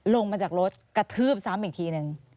ลงมาจากรถกระทืบซ้ำอีกทีนึง